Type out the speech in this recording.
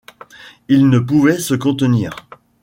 Il ne pouvait se contenir !